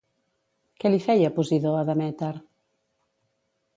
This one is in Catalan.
Què li feia Posidó a Demèter?